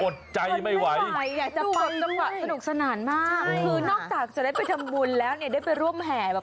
สวัสดีครับ